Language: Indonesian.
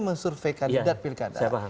men survey kandidat pilkada